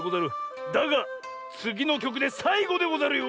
だがつぎのきょくでさいごでござるよ！